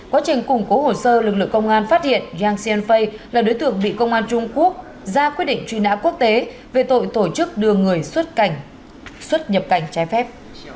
quá trình củng cố hồ sơ lực lượng công an phát hiện yang xianfei là đối tượng bị công an trung quốc ra quyết định truy nã quốc tế về tội tổ chức đưa người xuất nhập cảnh trái phép